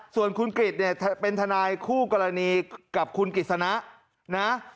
ส่วนคุณกริจเป็นทำลายคู่กรณีกับคุณกริจชนะ